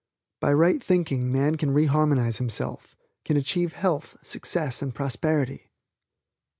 By right thinking man can re harmonize himself, can achieve health, success and prosperity.